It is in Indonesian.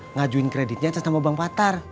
ngajuin kreditnya sama bang patar